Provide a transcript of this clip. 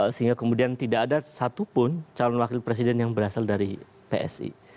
sehingga kemudian tidak ada satupun calon wakil presiden yang berasal dari psi